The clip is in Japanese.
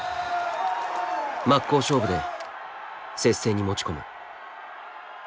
真っ向勝負で接戦に持ち込む。